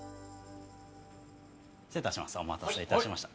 お待たせいたしました。